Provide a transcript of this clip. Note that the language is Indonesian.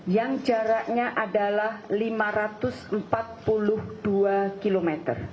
yang jaraknya adalah lima ratus empat puluh dua km